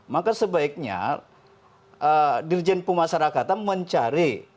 maka sebaiknya dirjen pemasarakatan mencari